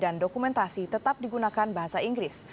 dokumen dan dokumentasi tetap digunakan bahasa inggris